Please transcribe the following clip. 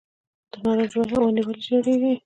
د نارنج ونې ولې ژیړیږي؟